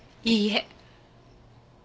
いいえ。